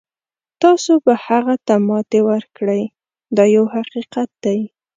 تاسو به هغه ته ماتې ورکړئ دا یو حقیقت دی.